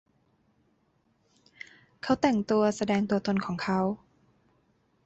เขาแต่งตัวแสดงตัวตนของเขา